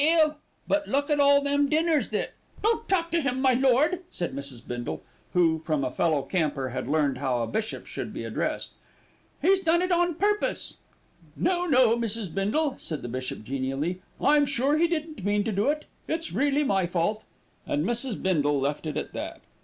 "Well; but look at all them dinners that " "Don't talk to him, my lord," said Mrs. Bindle, who from a fellow camper had learned how a bishop should be addressed. "He's done it on purpose." "No, no, Mrs. Bindle," said the bishop genially. "I'm sure he didn't mean to do it. It's really my fault." And Mrs. Bindle left it at that.